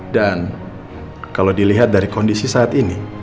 dan kalau dilihat dari kondisi saat ini